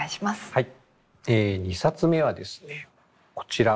はい。